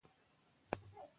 فقره د مطلب وضاحت کوي.